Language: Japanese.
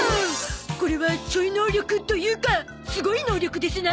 これはちょい能力というかすごい能力ですな！